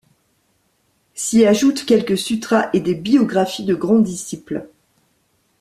S’y ajoutent quelques sutras et des biographies de grands disciples.